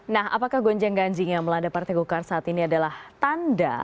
nah apakah gonjang ganjing yang melanda partai golkar saat ini adalah tanda